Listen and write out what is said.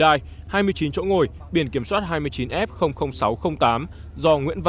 đoàn di chuyển xe mang biển kiểm soát chín mươi chín f ba mươi năm chống người thi hành công vụ